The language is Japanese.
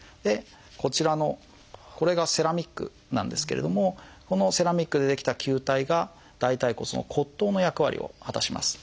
こちらのこれがセラミックなんですけれどもこのセラミックで出来た球体が大腿骨の骨頭の役割を果たします。